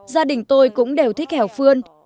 gia đình tôi cũng đều thích hèo phương